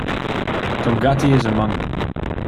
Tongahiti is among them.